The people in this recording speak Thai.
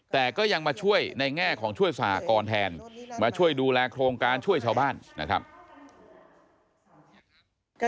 แต่ก็ยังมาช่วยในแง่ของช่วยสหกรณ์แทนมาช่วยดูแลโครงการช่วยชาวบ้านนะครับ